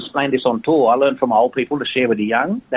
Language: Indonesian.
saya belajar dari orang tua untuk berbagi dengan orang muda